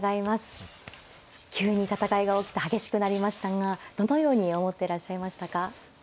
急に戦いが起きて激しくなりましたがどのように思ってらっしゃいましたか。